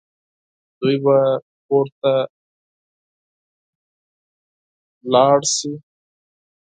دوی به کور ته ولاړ شي